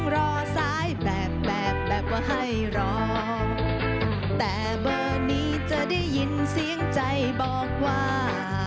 รอแต่เบอร์นี้จะได้ยินเสียงใจบอกว่า